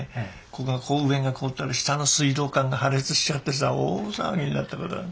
ここの上が凍ったら下の水道管が破裂しちゃってさ大騒ぎになったことがある。